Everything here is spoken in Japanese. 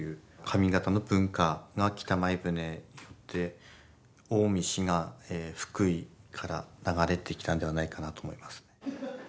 上方の文化が北前船で近江滋賀福井から流れてきたんではないかなと思います。